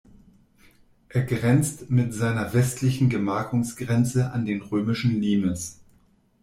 Er grenzt mit seiner westlichen Gemarkungsgrenze an den römischen Limes.